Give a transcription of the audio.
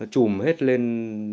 chùm hết lên